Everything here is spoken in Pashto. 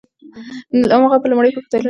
اغا په لومړي ځل پوښتلو باندې ډېر سخت غوسه شو.